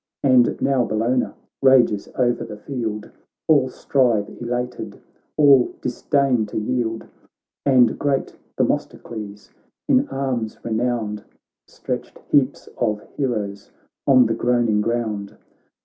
And now Bellona rages o'er the field, All strive elated, all disdain to yield ; And great Themistocles, in arms re nowned, Stretched heaps of heroes on the groan ing ground.